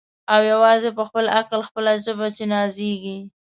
او یوازي په خپل عقل خپله ژبه چي نازیږي